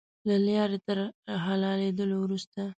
له لارې تر حلالېدلو وروسته.